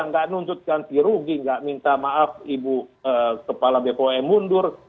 tidak menuntutkan tirugi tidak minta maaf ibu kepala bpom mundur